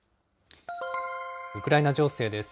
ウクライナ情勢です。